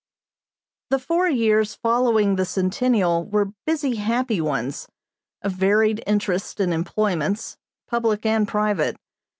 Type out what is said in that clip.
The four years following the Centennial were busy, happy ones, of varied interests and employments, public and private.